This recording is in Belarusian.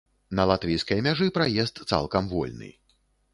На латвійскай мяжы праезд цалкам вольны.